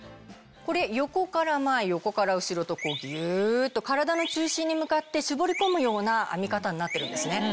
これ横から前横から後ろとギュっと体の中心に向かって絞り込むような編み方になってるんですね。